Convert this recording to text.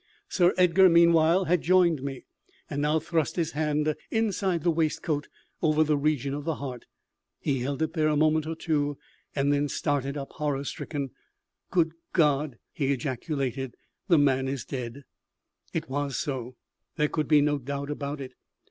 Sir Edgar, meanwhile, had joined me, and now thrust his hand inside the waistcoat, over the region of the heart. He held it there a moment or two, and then started up, horror stricken. "Good God!" he ejaculated, "the man is dead!" It was so. There could be no doubt about it.